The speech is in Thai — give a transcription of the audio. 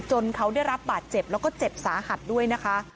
เขาได้รับบาดเจ็บแล้วก็เจ็บสาหัสด้วยนะคะ